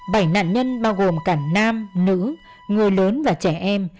bảy nạn nhân bao gồm cả nam nữ người lớn và trẻ em